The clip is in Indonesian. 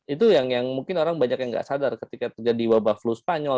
itu yang mungkin banyak orang tidak sadar ketika terjadi wabah flu spanyol